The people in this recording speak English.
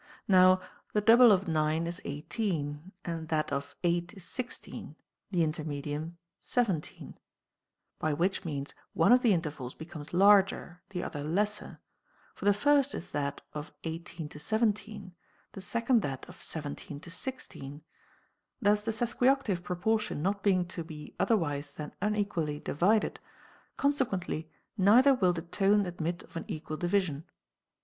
Now the double of 9 is 18, that of 8 is 16, the intermedium 17 ; by which means one of the intervals becomes larger, the other lesser ; for the first is that of 18 to 17, the second that of 17 to 16. Thus the sesquioctave proportion not being to be otherwise than unequally divided, consequently neither will the tone admit of an equal division.